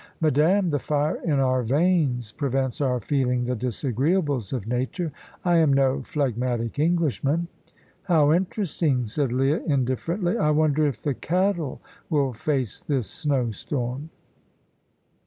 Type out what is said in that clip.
"Madame, the fire in our veins prevents our feeling the disagreeables of nature. I am no phlegmatic Englishman." "How interesting," said Leah, indifferently. "I wonder if the cattle will face this snowstorm."